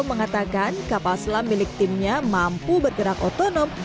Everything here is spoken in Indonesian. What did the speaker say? mengatakan kapal selam milik timnya mampu bergerak otonom